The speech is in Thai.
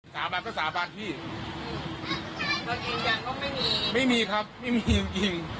สามารถก็สามารถพี่แต่จริงจังก็ไม่มีไม่มีครับไม่มีจริงจริง